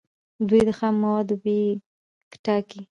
دوی د خامو موادو بیې ټاکي.